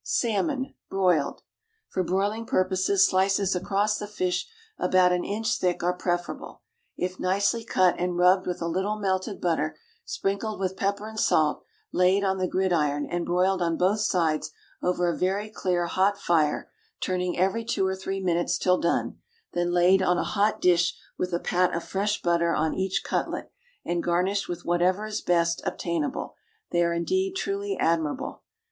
=Salmon, Broiled.= For broiling purposes slices across the fish about an inch thick are preferable. If nicely cut and rubbed with a little melted butter, sprinkled with pepper and salt, laid on the gridiron and broiled on both sides over a very clear hot fire, turning every two or three minutes till done, then laid on a hot dish with a pat of fresh butter on each cutlet, and garnished with whatever is best obtainable, they are indeed truly admirable.